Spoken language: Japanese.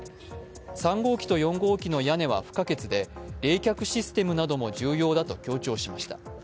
３号機と４号機の屋根は不可欠で冷却システムなども重要だと強調しました。